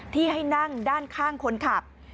ที่ให้นั่งด้านข้างคนขับ